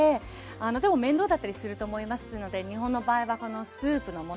でも面倒だったりすると思いますので日本の場合はスープの素でして下さい。